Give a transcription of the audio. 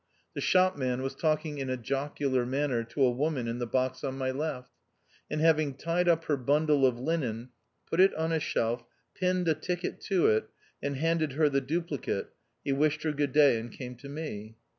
The shopman was talking in a jocular manner to a woman in the box on my left ; and having tied up her bundle of linen, put it on a shelf, pinned a ticket to it, and handed her the duplicate, he wished her good day, and came to me.